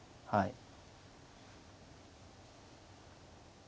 はい。